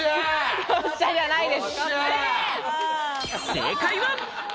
正解は。